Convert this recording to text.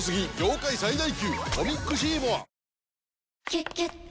「キュキュット」